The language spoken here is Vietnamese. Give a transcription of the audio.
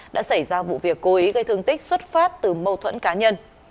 đã xảy ra vụ việc cố ý gây thương tích xuất phát từ mâu thuẫn cá nhân